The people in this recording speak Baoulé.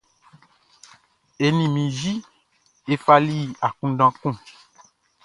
E ni mi yi e fali akunndan kun.